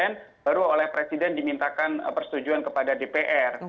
terus oleh presiden dimintakan persetujuan kepada dpr